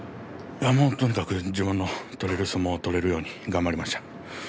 とにかく自分の取れる相撲を取れるように頑張りました。